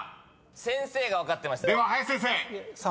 先生が分かってました。